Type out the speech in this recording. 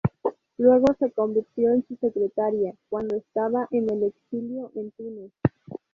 Luego se convirtió en su secretaria, cuando estaba en el exilio en Túnez.